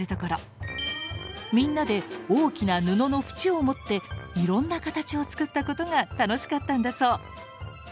みんなで大きな布の縁を持っていろんな形を作ったことが楽しかったんだそう。